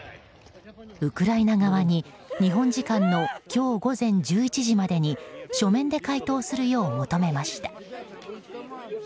ウクライナ側に日本時間の今日午前１１時までに書面で回答するよう求めました。